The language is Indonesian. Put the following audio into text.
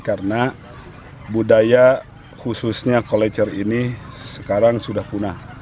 karena budaya khususnya kolecer ini sekarang sudah punah